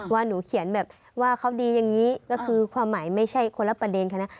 ว่าหนูเขียนแบบว่าเขาดีอย่างนี้ก็คือความหมายไม่ใช่คนละประเด็นคณะ